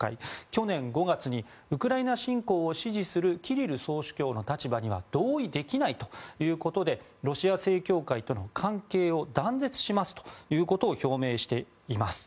去年５月にウクライナ侵攻を支持するキリル総主教の立場には同意できないということでロシア正教会との関係を断絶しますということを表明しています。